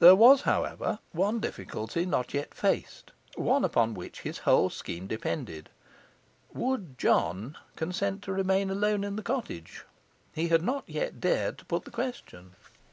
There was, however, one difficulty not yet faced, one upon which his whole scheme depended. Would John consent to remain alone in the cottage? He had not yet dared to put the question.